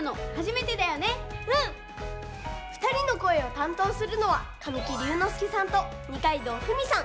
ふたりのこえをたんとうするのは神木隆之介さんと二階堂ふみさん。